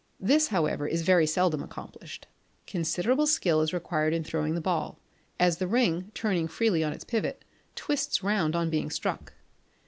This, however, is very seldom accomplished. Considerable skill is required in throwing the ball, as the ring, turning freely on its pivot, twists round on being struck.